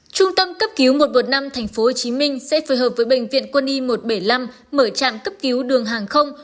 trung tâm cấp cứu một trăm một mươi năm tp hcm sẽ phối hợp với bệnh viện quân y một trăm bảy mươi năm mở trạm cấp cứu đường hàng không